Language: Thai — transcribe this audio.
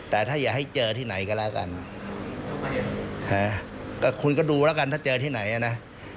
แต่ถ้าอย่าให้เจอที่ไหนก็แล้วกันก็คุณก็ดูแล้วกันถ้าเจอที่ไหนนะ